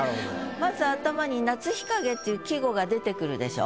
まず頭に「夏日影」っていう季語が出てくるでしょ。